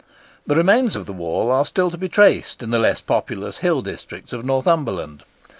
The remains of the wall are still to be traced in the less populous hill districts of Northumberland.